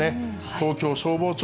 東京消防庁